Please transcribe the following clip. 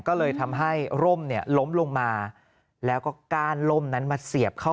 ก็เลยทำให้ร่มเนี่ยล้มลงมาแล้วก็ก้านร่มนั้นมาเสียบเข้า